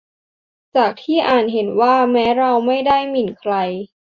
จากที่อ่านจะเห็นว่า แม้เราไม่ได้หมิ่นใคร